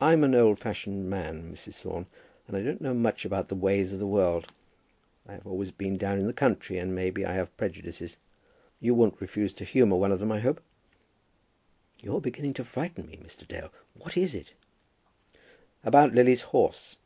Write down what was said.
"I'm an old fashioned man, Mrs. Thorne, and don't know much about the ways of the world. I have always been down in the country, and maybe I have prejudices. You won't refuse to humour one of them, I hope?" "You're beginning to frighten me, Mr. Dale; what is it?" "About Lily's horse."